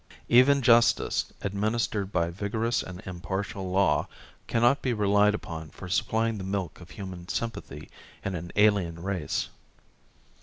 Even justice, administered by vigorous and impartial law, cannot be relied upon for supplying the milk of human sympathy in an alien race.